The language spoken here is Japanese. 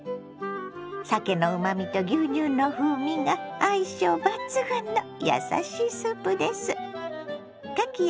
さけのうまみと牛乳の風味が相性抜群のやさしいスープです。